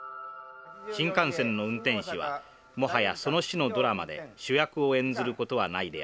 新幹線の運転士はもはやその種のドラマで主役を演ずることはないであろう。